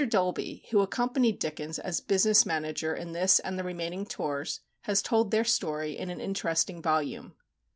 Dolby, who accompanied Dickens as business manager in this and the remaining tours, has told their story in an interesting volume.